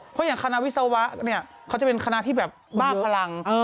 เพราะอย่างคณะวิศวะเนี่ยเขาจะเป็นคณะที่แบบบ้าพลัง